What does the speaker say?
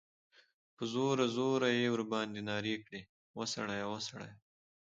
په زوره، زوره ئی ورباندي نارې کړې ، وسړیه! وسړیه!